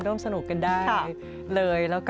ร่วมสนุกกันได้เลย